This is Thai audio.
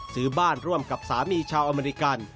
ซื้อบ้านร่วมกับสามีชาวอเมริกัน